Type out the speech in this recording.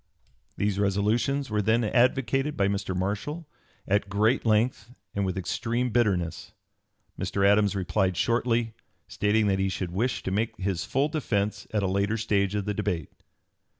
] These resolutions were then advocated by Mr. Marshall at great length and with extreme bitterness. Mr. Adams replied shortly, stating that he should wish to make his full defence at a later stage of the debate.